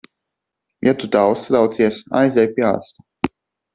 Ja tu tā uztraucies, aizej pie ārsta.